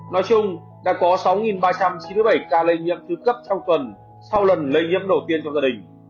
nói chung đã có sáu ba trăm chín mươi bảy ca lây nhiễm thứ cấp trong tuần sau lần lây nhiễm đầu tiên cho gia đình